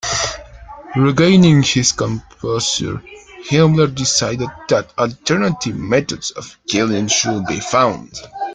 Regaining his composure, Himmler decided that alternative methods of killing should be found.